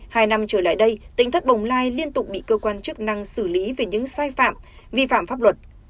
hai năm trở lại đây tỉnh thất bồng lai liên tục bị cơ quan chức năng xử lý về những sai phạm vi phạm pháp luật